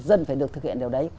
dân phải được thực hiện điều đấy